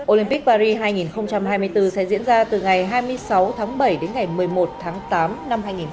olympic paris hai nghìn hai mươi bốn sẽ diễn ra từ ngày hai mươi sáu tháng bảy đến ngày một mươi một tháng tám năm hai nghìn hai mươi bốn